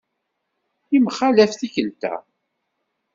Yemxalaf tikkelt-a.